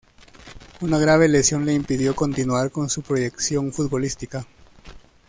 Una grave lesión le impidió continuar con su proyección futbolística.